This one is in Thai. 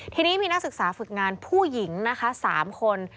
ทีนี้มีนักศึกษาฝึกงานผู้หญิงนะคะ๓คน